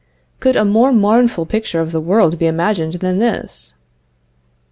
Could a more mournful picture of the world be imagined than this?"